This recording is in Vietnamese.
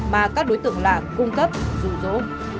mà các đối tượng làm cung cấp dụ dỗ